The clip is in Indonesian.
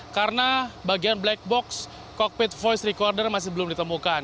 karena bagian black box cockpit voice recorder masih belum ditemukan